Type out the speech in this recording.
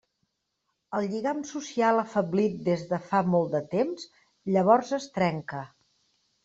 El lligam social afeblit des de fa molt de temps llavors es trenca.